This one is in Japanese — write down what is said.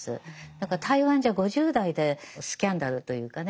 だから台湾じゃ５０代でスキャンダルというかね。